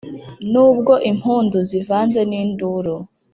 n’ubwo impundu zivanze n’induru